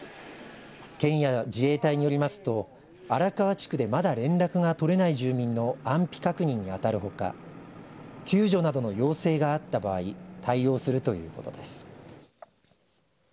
県や自衛隊によりますと荒川地区でまだ連絡が取れない住民の安否確認にあたるほか救助などの要請があった場合、対応するということです。